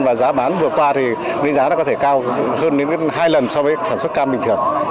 và giá bán vừa qua có thể cao hơn hai lần so với sản xuất cam bình thường